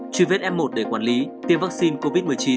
truy vết f một để quản lý tiêm vaccine covid một mươi chín